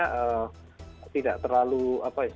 ada yang menafsirkan apa namanya